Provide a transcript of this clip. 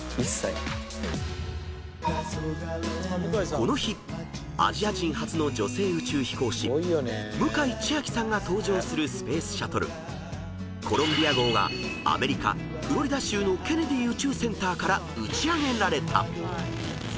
［この日アジア人初の女性宇宙飛行士向井千秋さんが搭乗するスペースシャトルコロンビア号がアメリカフロリダ州のケネディ宇宙センターから打ち上げられた］